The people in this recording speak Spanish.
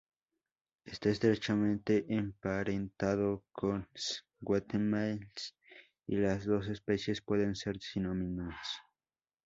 Está estrechamente emparentado con "S. guatemalensis", y las dos especies pueden ser sinónimos.